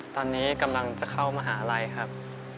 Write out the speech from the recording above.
ตอนนี้กำลังจะเข้ามหาลัยครับ